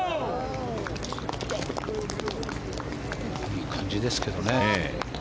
いい感じですけどね。